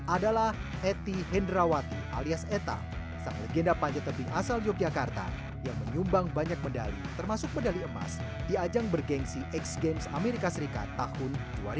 adalah eti hendrawati alias eta sang legenda panjat tebing asal yogyakarta yang menyumbang banyak medali termasuk medali emas di ajang bergensi x games amerika serikat tahun dua ribu dua